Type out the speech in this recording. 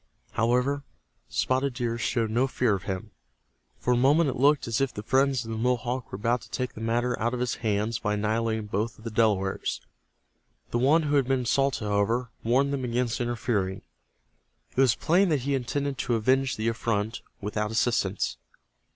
However, Spotted Deer showed no fear of him. For a moment it looked as if the friends of the Mohawk were about to take the matter out of his hands by annihilating both of the Delawares. The one who had been insulted, however, warned them against interfering. It was plain that he intended to avenge the affront without assistance.